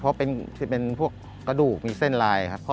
เพราะจะเป็นพวกกระดูกมีเส้นลายครับ